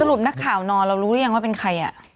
รุปนักข่าวนอนเรารู้หรือยังว่าเป็นใคร